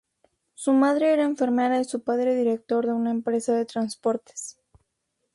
Su madre era enfermera y su padre director de una empresa de transportes.